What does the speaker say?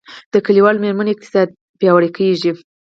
د کلیوالي میرمنو اقتصاد پیاوړی کیږي